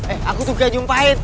eh aku tuh gak nyumpain